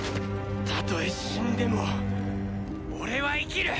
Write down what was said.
たとえ死んでも俺は生きる！